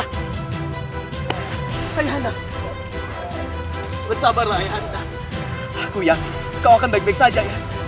aku yakin kau akan baik baik saja ayahanda